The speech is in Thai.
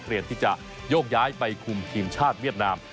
เปลี่ยนที่จะยกย้ายไปคุมทีมชาติเวียดนาม